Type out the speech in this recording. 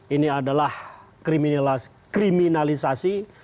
ini adalah kriminalisasi